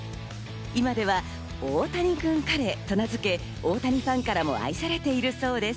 今では大谷君カレーと名付け、大谷ファンからも愛されているそうです。